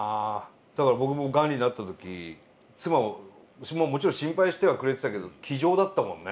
だから僕もがんになった時妻はもちろん心配してはくれてたけど気丈だったもんね。